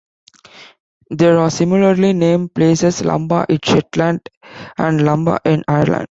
There are similarly named places, Lamba in Shetland and Lambay in Ireland.